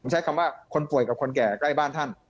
ใช้คำว่าคนป่วยกับคนแก่ใกล้บ้านท่าน